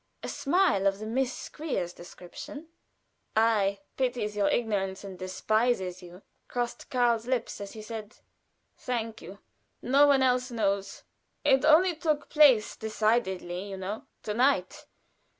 A smile of the Miss Squeers description "Tilda, I pities your ignorance and despises you" crossed Karl's lips as he said: "Thank you. No one else knows. It only took place decidedly, you know, to night.